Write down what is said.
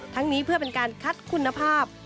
นี้เพื่อเป็นการคัดคุณภาพ